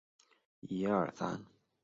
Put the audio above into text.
救军粮